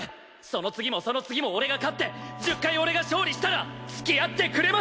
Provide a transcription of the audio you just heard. その次もその次も俺が勝って１０回俺が勝利したら付き合ってくれますか！？